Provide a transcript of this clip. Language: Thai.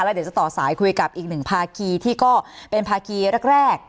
เดี๋ยวจะต่อสายคุยกับอีกหนึ่งภาคีที่ก็เป็นภาคีแรก